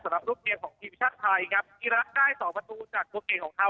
รับลูกเมียของทีมชาติไทยครับอีรักษ์ได้สองประตูจากตัวเก่งของเขา